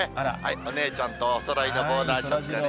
お姉ちゃんとおそろいのボーダーシャツがね。